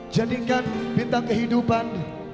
jadikan bintang kehidupan